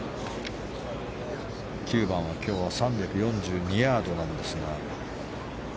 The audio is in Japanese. ９番は今日は３４２ヤードなんですが。